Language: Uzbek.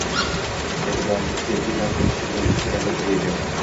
E’tiborsiz sevgi vaqt o‘tishi bilan eskiradi, tugaydi.